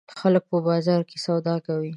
خلک په بازار کې سودا کوي.